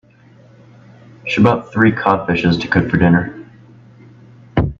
She bought three cod fishes to cook for dinner.